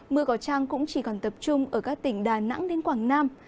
mưa cỏ trang cũng chỉ còn tập trung ở các tỉnh đà nẵng đến quảng nam